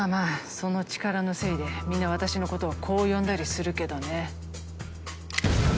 その力のせいでみんな私のことをこう呼んだりするけどね。